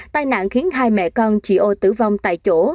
tai nạn khiến hai mẹ con chị ô tử vong tại chỗ